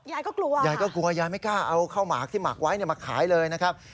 ยายก็กลัวยายก็กลัวยายไม่กล้าเอาข้าวหมากที่หมากไว้มาขายเลยนะครับ